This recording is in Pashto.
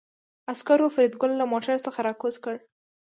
عسکرو فریدګل له موټر څخه راکوز کړ